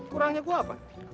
kurangnya gua apa